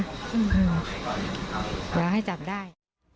เดี๋ยวให้จับได้